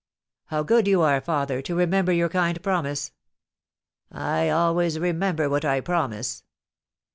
"How good you are, father, to remember your kind promise!" "I always remember what I promise."